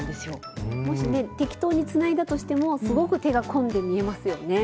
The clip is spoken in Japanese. もしね適当につないだとしてもすごく手が込んで見えますよね。